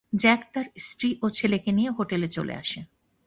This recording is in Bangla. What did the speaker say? জ্যাক তার স্ত্রী ও ছেলেকে নিয়ে হোটেলে চলে আসে।